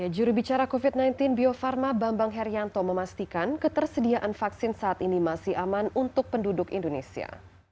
jurubicara covid sembilan belas bio farma bambang herianto memastikan ketersediaan vaksin saat ini masih aman untuk penduduk indonesia